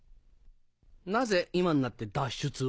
なぜ今になって脱出を？